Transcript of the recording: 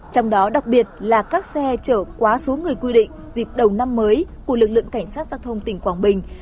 trong đó đặc biệt là các xe chở quá số người quy định dịp đầu năm mới của lực lượng cảnh sát giao thông tỉnh quảng bình